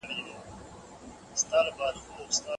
پښتونولي د ژوند يوه تګلاره ده.